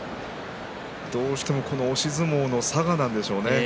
どうしても押し相撲のさがでしょうね。